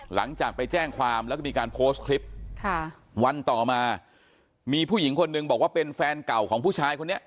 หลังจากไปแจ้งความแล้วก็มีการโพสต์คลิปค่ะวันต่อมามีผู้หญิงคนหนึ่งบอกว่าเป็นแฟนเก่าของผู้ชายคนนี้